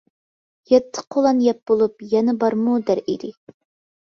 يەتتە قۇلان يەپ بولۇپ، يەنە بارمۇ دەر ئىدى.